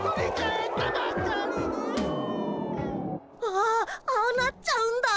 ああああなっちゃうんだ。